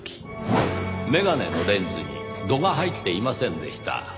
眼鏡のレンズに度が入っていませんでした。